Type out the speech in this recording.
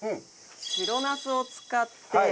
白ナスを使って。